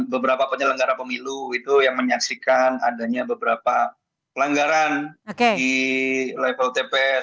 beberapa penyelenggara pemilu itu yang menyaksikan adanya beberapa pelanggaran di level tps